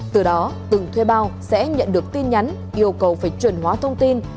từ đó từng thuê bao sẽ nhận được tin nhắn yêu cầu phải chuẩn hóa thông tin